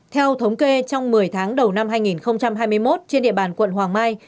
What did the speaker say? theo thống kê trong một mươi tháng đầu năm hai nghìn hai mươi một trên địa bàn quận hoàng mai